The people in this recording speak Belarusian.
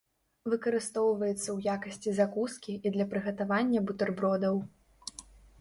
Выкарыстоўваецца ў якасці закускі і для прыгатавання бутэрбродаў.